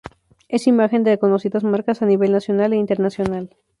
Es imagen de conocidas marcas a nivel nacional e internacional.